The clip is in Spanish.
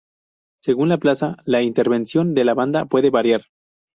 Según la plaza, la intervención de la banda puede variar.